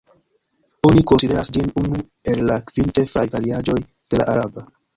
Oni konsideras ĝin unu el la kvin ĉefaj variaĵoj de la araba.